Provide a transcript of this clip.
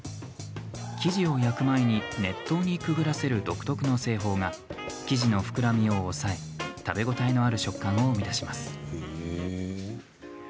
生地を焼く前に熱湯にくぐらせる独特の製法が生地の膨らみを抑え食べ応えのある食感を生み出します。